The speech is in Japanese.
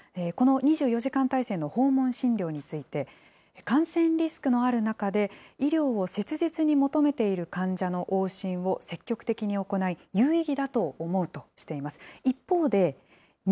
日本在宅医療連合学会の石垣泰則代表理事は、この２４時間態勢の訪問診療について、感染リスクのある中で、医療を切実に求めている患者の往診を積極的に行い、有意義だと思うとしています。